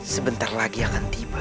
sebentar lagi akan tiba